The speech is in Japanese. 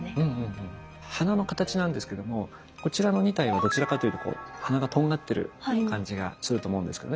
鼻の形なんですけどもこちらの２体はどちらかというと鼻がとんがってる感じがすると思うんですけどね。